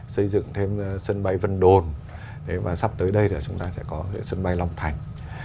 xây dựng thêm sân bay vân đồn và sắp tới đây là chúng ta sẽ có sân bay long thành